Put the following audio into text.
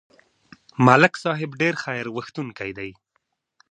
ملک صاحب ډېر خیرغوښتونکی دی.